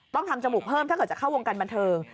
ต้องทำจมูกเพิ่มถ้าเกิดจะเข้าวงการบันเทิง